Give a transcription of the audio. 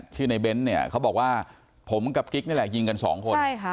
ชื่อในเบนส์เนี่ยเขาบอกว่าผมกับกิ๊กนี่แหละยิงกันสองคนใช่ค่ะ